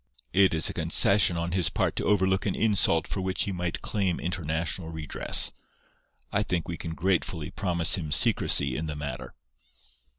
It is a concession on his part to overlook an insult for which he might claim international redress. I think we can gratefully promise him secrecy in the matter.